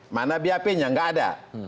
mana bap nya nggak ada